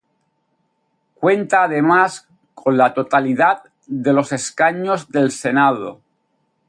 Cuenta además con la totalidad de los escaños del Senado.